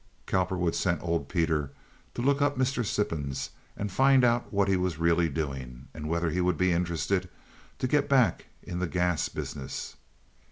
Cowperwood sent old Peter to look up Mr. Sippens and find out what he was really doing, and whether he would be interested to get back in the gas business.